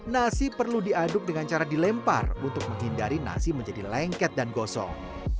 nasi perlu diaduk dengan cara dilempar untuk menghindari nasi menjadi lengket dan gosong